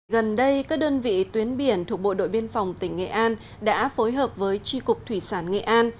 gần đây các đơn vị tuyến biển thuộc bộ đội biên phòng tỉnh nghệ an đã phối hợp với tri cục thủy sản nghệ an